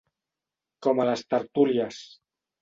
Com a les tertúlies.